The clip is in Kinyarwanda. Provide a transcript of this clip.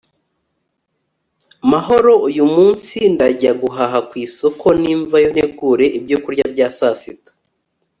mahoro uyu munsi ndajya guhaha ku isoko, nimvayo ntegure ibyo kurya bya saa sita